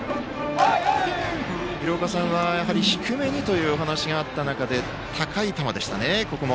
廣岡さんは、やはり低めにというお話があった中で高い球でしたね、ここも。